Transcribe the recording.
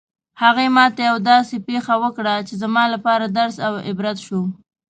هغې ما ته یوه داسې پېښه وکړه چې زما لپاره درس او عبرت شوه